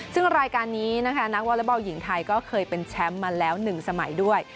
ซึ่งรายการนี้นะคะนักวอเล็กบอลหญิงไทยก็เคยเป็นแชมป์มาแล้ว๑สมัยด้วย